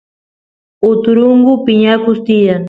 uturungu piñakus tiyan